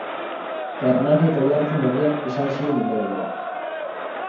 Hernani eta Oiartzun herriak izan ziren ondorengoak.